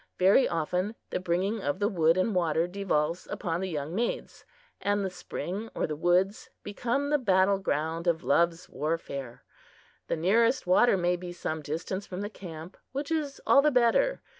Very often the bringing of the wood and water devolves upon the young maids, and the spring or the woods become the battle ground of love's warfare. The nearest water may be some distance from the camp, which is all the better.